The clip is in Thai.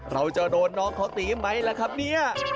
เราจะโดนน้องเขาตีไหมล่ะครับเนี่ย